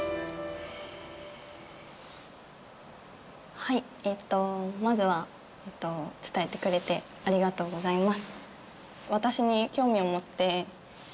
はいまずは伝えてくれてありがとうございます。